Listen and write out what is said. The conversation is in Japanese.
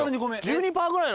１２％ぐらい。